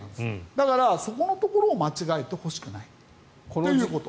だから、そこのところを間違えてほしくないということ。